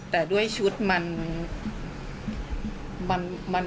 แต่ด้วยชุดมัน